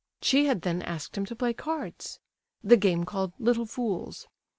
She had then asked him to play cards—the game called "little fools."